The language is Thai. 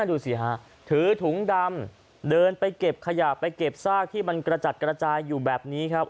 ดูสิฮะถือถุงดำเดินไปเก็บขยะไปเก็บซากที่มันกระจัดกระจายอยู่แบบนี้ครับ